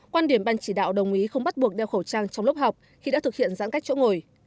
quan điểm ban chỉ đạo đồng ý không bắt buộc đeo khẩu trang trong lúc học khi đã thực hiện giãn cách chỗ ngồi